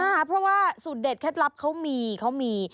เพราะว่าสูตรเด็ดเคล็ดลับเขามีเขามี